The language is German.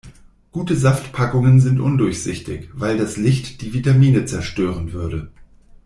Gute Saftpackungen sind undurchsichtig, weil das Licht die Vitamine zerstören würde.